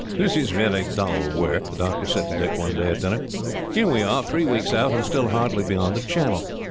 "This is very dull work," the doctor said to Dick one day, at dinner. "Here we are, three weeks out, and still hardly beyond the Channel.